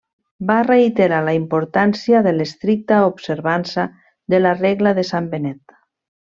Va reiterar la importància de l'estricta observança de la Regla de Sant Benet.